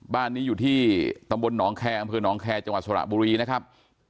บ้านนี้อยู่ที่ตำบลน้องแครกำคือน้องแครจังหวัดสวรรค์บุรีนะครับ